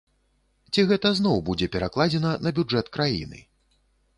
Ці гэта зноў будзе перакладзена на бюджэт краіны?